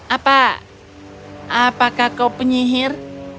apa apakah kau penyihir